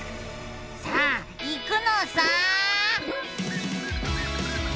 さあいくのさ！